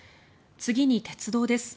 次に鉄道です。